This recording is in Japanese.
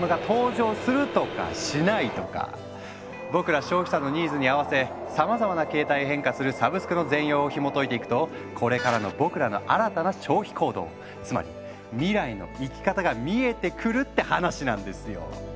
僕ら消費者のニーズに合わせさまざまな形態へ変化するサブスクの全容をひもといていくとこれからの僕らの新たな消費行動つまり未来の生き方が見えてくるって話なんですよ！